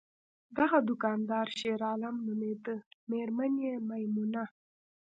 دغه دوکاندار شیرعالم نومیده، میرمن یې میمونه!